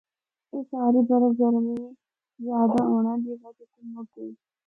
اے ساری برف گرمی زیادہ ہونڑا دی وجہ تو مُک گئی۔